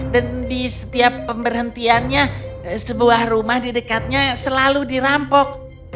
dan di setiap pemberhentiannya sebuah rumah di dekatnya selalu dirampok